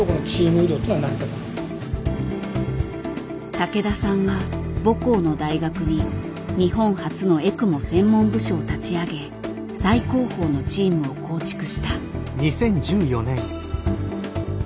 竹田さんは母校の大学に日本初のエクモ専門部署を立ち上げ最高峰のチームを構築した。